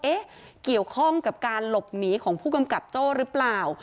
เกี่ยวข้องกับการหลบหนีของผู้กำกับโจ้หรือเปล่า